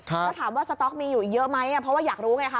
แล้วถามว่าสต๊อกมีอยู่อีกเยอะไหมเพราะว่าอยากรู้ไงคะ